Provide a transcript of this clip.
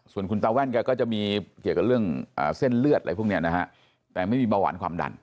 ส่วนคุณตาแว่นแกก็จะมีเกี่ยวกับเรื่องเส้นเลือดอะไรพวกนี้นะฮะแต่ไม่มีเบาหวานความดัน